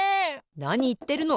なにいってるの！